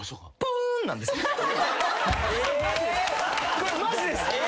これマジです。